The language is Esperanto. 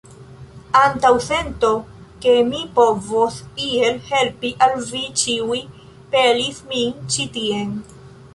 Antaŭsento, ke mi povos iel helpi al vi ĉiuj, pelis min ĉi tien.